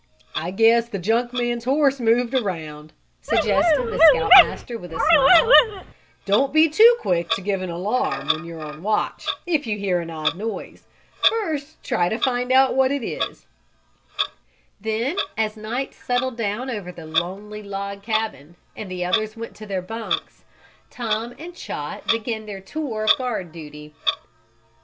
"I guess the junk man's horse moved around," suggested the Scout Master with a smile. "Don't be too quick to give an alarm, when you're on watch, if you hear an odd noise. First try to find out what it is." Then, as night settled down over the lonely log cabin, and the others went to their bunks, Tom and Chot began their tour of guard duty.